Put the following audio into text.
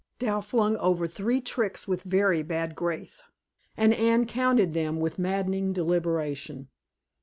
Dal flung over three tricks with very bad grace, and Anne counted them with maddening deliberation.